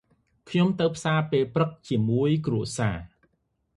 ខ្ញុំទៅផ្សារពេលព្រឹកជាមួយគ្រួសារ។